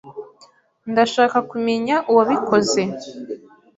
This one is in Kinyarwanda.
Ndashaka kumenya uwabikoze.